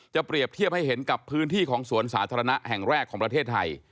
เปรียบเทียบให้เห็นกับพื้นที่ของสวนสาธารณะแห่งแรกของประเทศไทย